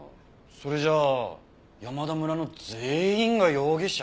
それじゃあ山田村の全員が容疑者？